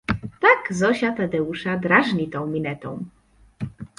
Tak Zosia Tadeusza drażni tą minetą.